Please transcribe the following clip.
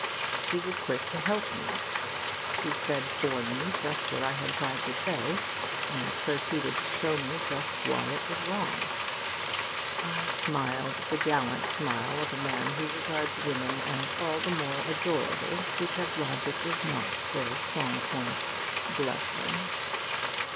She was quick to help me: she said for me just what I had tried to say, and proceeded to show me just why it was wrong. I smiled the gallant smile of a man who regards women as all the more adorable because logic is not their strong point, bless them!